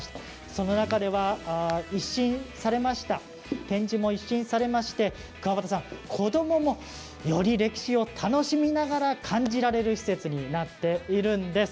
その中では展示も一新されまして子どももより歴史を楽しみながら感じられる施設になっているんです。